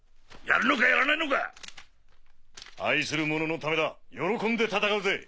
やるのかやらないのか⁉愛する者のためだ喜んで戦うぜ。